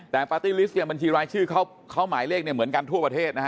แต่ปาร์ตี้ลิสต์เนี่ยบัญชีรายชื่อเขาหมายเลขเหมือนกันทั่วประเทศนะฮะ